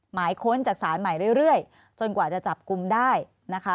ค้นจากศาลใหม่เรื่อยจนกว่าจะจับกลุ่มได้นะคะ